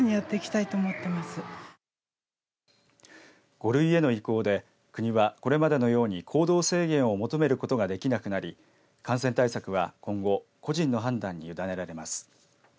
５類への移行で国はこれまでのように行動制限を求めることができなくなり感染対策は今後個人の判断に委ねられます。